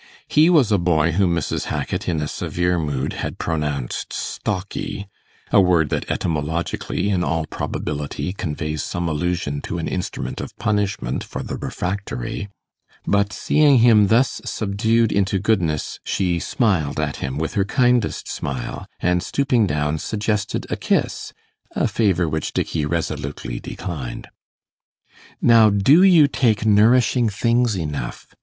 He was a boy whom Mrs. Hackit, in a severe mood, had pronounced 'stocky' (a word that etymologically in all probability, conveys some allusion to an instrument of punishment for the refractory); but seeing him thus subdued into goodness, she smiled at him with her kindest smile, and stooping down, suggested a kiss a favour which Dicky resolutely declined. 'Now do you take nourishing things enough?